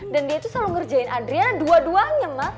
dan dia tuh selalu ngerjain adriana dua duanya ma